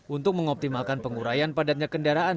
untuk mengoptimalkan pengurayan padatnya kendaraan